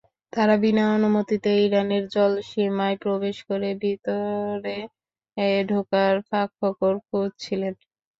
তাঁরা বিনা অনুমতিতে ইরানের জলসীমায় প্রবেশ করে ভেতরে ঢোকার ফাঁকফোকর খুঁজছিলেন।